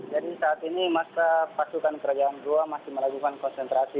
jadi saat ini masa pasukan kerajaan goa masih melakukan konsentrasi